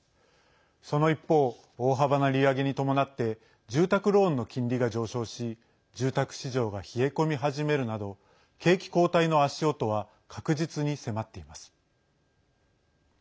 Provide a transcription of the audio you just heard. その一方、大幅な利上げに伴って住宅ローンの金利が上昇し住宅市場が冷え込み始めるなど景気後退の足音は確実に迫っています。